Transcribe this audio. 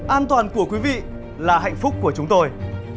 an toàn của quý vị là hạnh phúc của chúng tôi